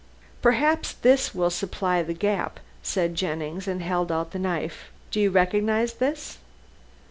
"Perhaps this will supply the gap," said Jennings, and held out the knife. "Do you recognize this?"